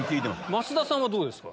増田さんはどうですか？